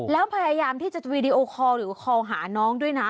แล้วพยายามที่จะวีดีโอคอลหรือคอลหาน้องด้วยนะ